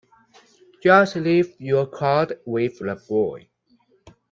Just leave your card with the boy.